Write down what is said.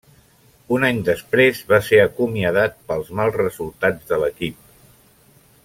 Un any després, va ser acomiadat pels mals resultats de l'equip.